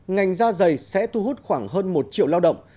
ngành da dày sẽ thu hút khoảng hơn một triệu lao động